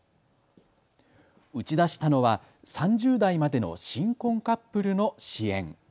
打ち出したのは３０代までの新婚カップルの支援。